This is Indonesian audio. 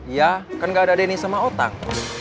iya kan gak ada denny sama otak